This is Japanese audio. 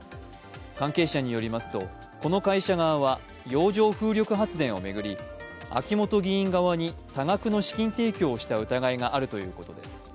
関係者によりますと、この会社側は洋上風力発電を巡り、秋本議員側に多額の資金提供をした疑いがあるということです。